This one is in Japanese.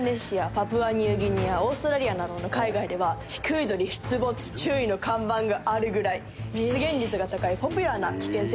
パプアニューギニアオーストラリアなどの海外ではヒクイドリ出没注意の看板があるぐらい出現率が高いポピュラーな危険生物です。